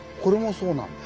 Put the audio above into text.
そうなんです。